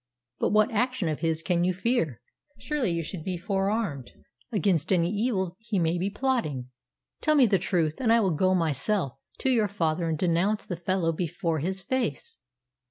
"But what action of his can you fear? Surely you should be forearmed against any evil he may be plotting. Tell me the truth, and I will go myself to your father and denounce the fellow before his face!"